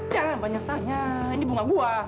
jangan banyak tanya ini bunga buah